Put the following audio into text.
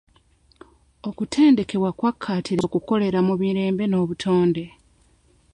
Okuteendekebwa kwakattiriza okukolera mu mirembe n'obutonde.